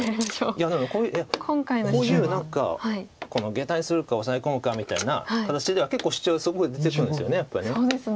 いやでもこういう何かゲタにするかオサエ込むかみたいな形では結構シチョウすごく出てくるんですよねやっぱり。